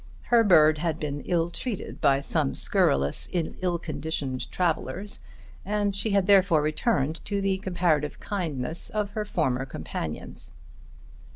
Her bird had been ill treated by some scurrilous ill conditioned travellers and she had therefore returned to the comparative kindness of her former companions.